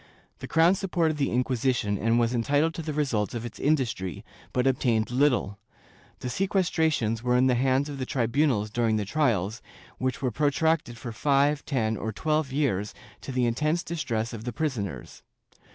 The crown supported the Inquisition and was entitled to the results of its industry, but obtained little. The sequestrations were in the hands of the tri bunals during the trials, which were protracted for five, ten or twelve years to the intense distress of the prisoners.